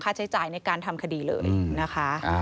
ใช้จ่ายในการทำคดีเลยนะคะ